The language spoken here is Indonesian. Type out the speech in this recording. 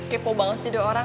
kepo banget sendiri orang